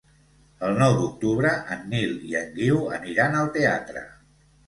El nou d'octubre en Nil i en Guiu aniran al teatre.